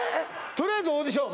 とりあえずオーディション